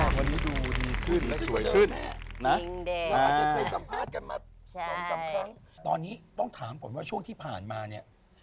วันนี้ดูดีขึ้นแน่นะเราอาจจะเคยสัมภาษณ์กันมา๒๓ครั้งตอนนี้ต้องถามก่อนว่าช่วงที่ผ่านมาเนี่ย